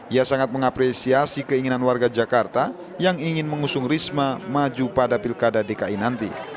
ia sangat mengapresiasi keinginan warga jakarta yang ingin mengusung risma maju pada pilkada dki nanti